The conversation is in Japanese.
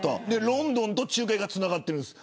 ロンドンと中継がつながっています。